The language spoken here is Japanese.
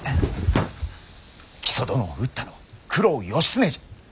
木曽殿を討ったのは九郎義経じゃ。